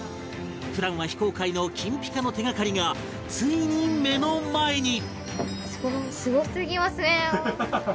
普段は非公開の金ピカの手がかりがついに目の前に